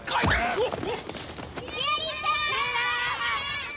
うわっ！